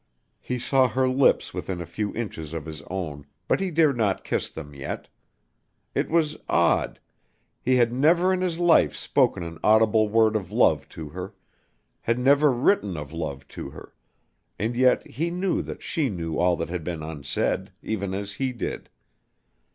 He saw her lips within a few inches of his own, but he dared not kiss them yet. It was odd he had never in his life spoken an audible word of love to her had never written of love to her and yet he knew that she knew all that had been unsaid, even as he did.